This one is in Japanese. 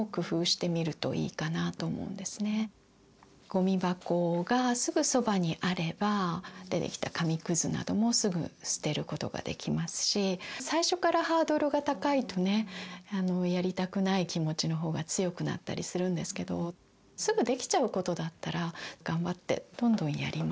ゴミ箱がすぐそばにあれば出てきた紙くずなどもすぐ捨てることができますし最初からハードルが高いとねやりたくない気持ちの方が強くなったりするんですけどすぐできちゃうことだったら頑張ってどんどんやりますよね